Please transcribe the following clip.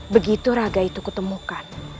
begitu raga itu kutemukan